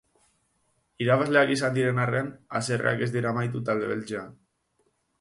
Irabazleak izan diren aren, haserreak ez dira amaitu talde beltzean.